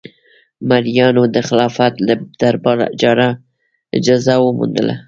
مریانو د خلافت له دربار اجازه وموندله.